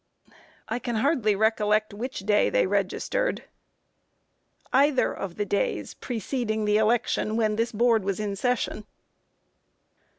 A. I can hardly recollect which day they registered. Q. Either of the days preceding the election, when this Board was in session.